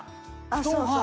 そうそう。